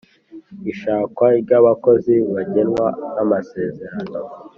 ishakwa ryabakozi bagenwa namasezerano